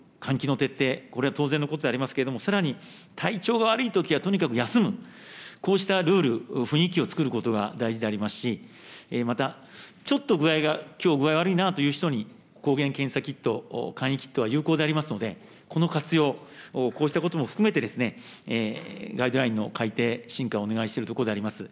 さらに体調が悪いときはとにかく休む、こうしたルール、雰囲気を作ることが大事でありますし、またちょっと具合が、きょう具合悪いなという人に抗原検査キット、簡易キットは有効でありますので、この活用、こうしたことも含めて、ガイドラインの改定、進化をお願いしているところであります。